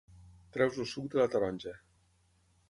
Treus el suc de la taronja.